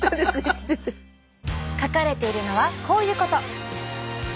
書かれているのはこういうこと！